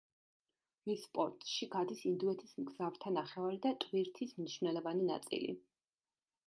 მის პორტში გადის ინდოეთის მგზავრთა ნახევარი და ტვირთის მნიშვნელოვანი ნაწილი.